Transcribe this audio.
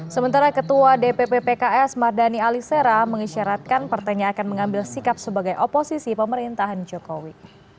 sementara ketua dpp pks mardani alisera mengisyaratkan partainya akan mengambil sikap sebagai oposisi pemerintahan jokowi